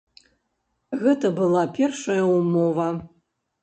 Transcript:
Гэта была першая ўмова.